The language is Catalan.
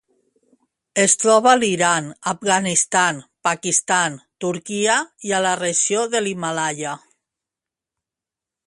Es troba a l'Iran, Afganistan, Pakistan, Turquia i a la regió de l'Himàlaia.